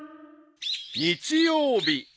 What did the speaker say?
［日曜日］